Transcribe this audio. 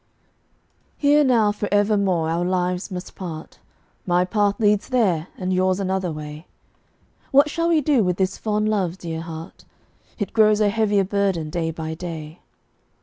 Here now forevermore our lives must part. My path leads there, and yours another way. What shall we do with this fond love, dear heart? It grows a heavier burden day by day.